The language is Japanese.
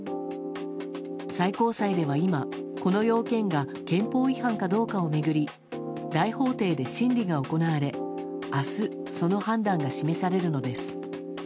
最高裁では今この要件が憲法違反かどうかを巡り大法廷で審理が行われ明日、その判断が示されるのです。